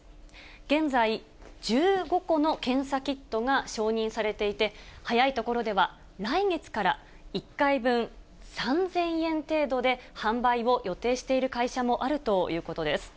現在、１５個の検査キットが承認されていて、早いところでは、来月から１回分３０００円程度で販売を予定している会社もあるということです。